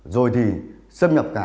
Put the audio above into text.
rồi thì xâm nhập cả